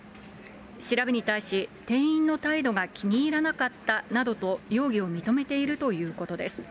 調べに対し、店員の態度が気に入らなかったなどと、容疑を認めているということです。